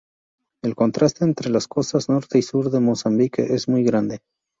El contraste entre las costas norte y sur de Mozambique es muy grande.